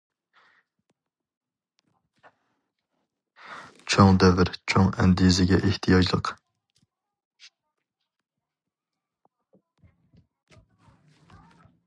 چوڭ دەۋر چوڭ ئەندىزىگە ئېھتىياجلىق.